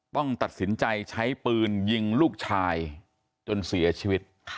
ต้องตัดสินใจใช้ปืนยิงลูกชายจนเสียชีวิต